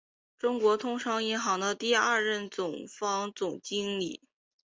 中国通商银行的第二任中方总经理。